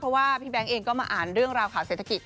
เพราะว่าพี่แบงค์เองก็มาอ่านเรื่องราวข่าวเศรษฐกิจ